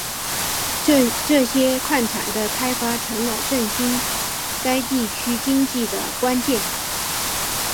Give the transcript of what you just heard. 这些矿藏的开发成了振兴该地区经济的关键。